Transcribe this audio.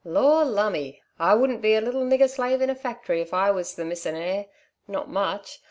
Lor' lumme! I wouldn't be a little nigger slave in a factory if I was the missin' heir. Not much.